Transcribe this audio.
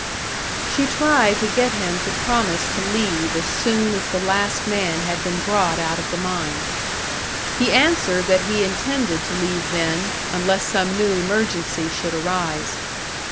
She tried to get him to promise to leave as soon as the last man had been brought out of the mine. He answered that he intended to leave then, unless some new emergency should arise.